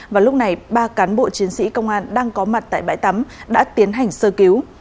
và lúc này ba cán bộ chiến sĩ công an đang có mặt tại bãi tắm đã tiến hành sơ cứu